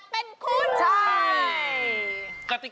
หรือเป็นผู้โชคดีจากทางไหน